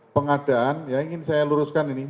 pengadaan ya ingin saya luruskan ini